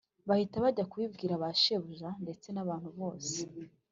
bahita bajya kubibwira ba shebuja ndetse n’abantu bose